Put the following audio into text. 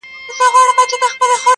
هغه ياغي شاعر غزل وايي ټپه نه کوي~